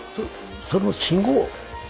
その信号。